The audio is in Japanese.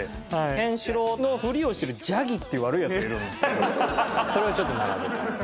ケンシロウのふりをしてるジャギっていう悪いヤツがいるんですけどそれをちょっと並べてみました。